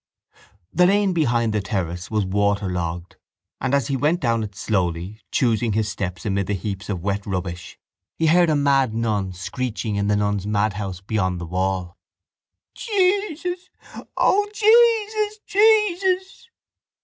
The lane behind the terrace was waterlogged and as he went down it slowly, choosing his steps amid heaps of wet rubbish, he heard a mad nun screeching in the nuns' madhouse beyond the wall. —Jesus! O Jesus! Jesus!